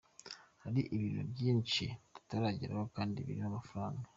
Hari ibintu byinshi tutarageraho kandi birimo amafaranga.